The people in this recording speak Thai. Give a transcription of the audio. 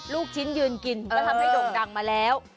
ลูกชิ้นยืนกินก็ทำให้โด่งดังมาแล้ว